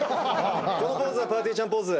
このポーズはぱーてぃーちゃんポーズ。